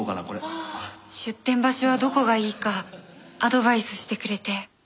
出店場所はどこがいいかアドバイスしてくれて。